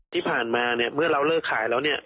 ที่ผ่านมาเนี่ยเมื่อเราเลิกขายแล้วเนี่ย